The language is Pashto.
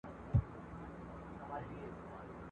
فرنګ په خپلو وینو کي رنګ وو ..